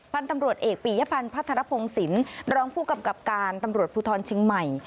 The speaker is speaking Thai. พันธุ์ตำรวจเอกปียพันธ์พัทรพงศิลป์รองผู้กำกับการตำรวจภูทรเชียงใหม่